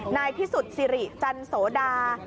นายพิสุทธิ์สิริจันโสดา